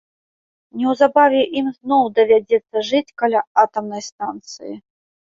Неўзабаве ім ізноў давядзецца жыць каля атамнай станцыі.